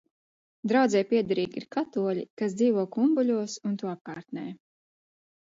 Draudzei piederīgi ir katoļi, kas dzīvo Kumbuļos un to apkārtnē.